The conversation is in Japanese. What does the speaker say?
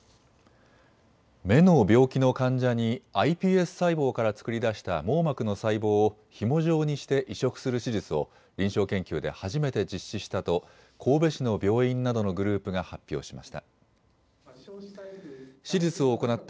目の病気の患者にｉＰＳ細胞から作り出した網膜の細胞をひも状にして移植する手術を臨床研究で初めて実施したと神戸市の病院などのグループが発表しました。